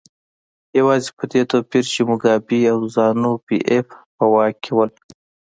یوازې په دې توپیر چې موګابي او زانو پي ایف په واک کې وو.